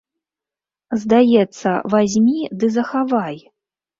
Здаецца, вазьмі ды захавай!